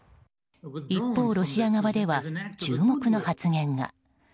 一方、ロシア側では注目の発言が。